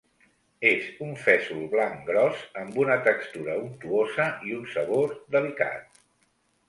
És un fesol blanc gros amb una textura untuosa i un sabor delicat.